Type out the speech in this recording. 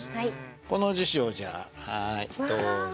この辞書をじゃあはいどうぞ。